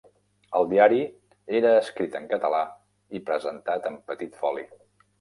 El diari era escrit en català i presentat en petit foli.